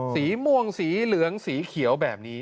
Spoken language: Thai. สีม่วงสีเหลืองสีเขียวแบบนี้